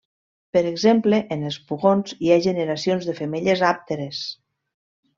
Per exemple en els pugons hi ha generacions de femelles àpteres.